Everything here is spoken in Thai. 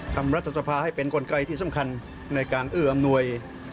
รัฐสภาให้เป็นกลไกที่สำคัญในการเอื้ออำนวย